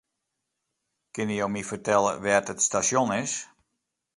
Kinne jo my fertelle wêr't it stasjon is?